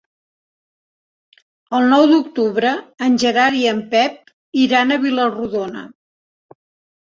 El nou d'octubre en Gerard i en Pep iran a Vila-rodona.